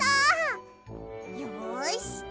よし！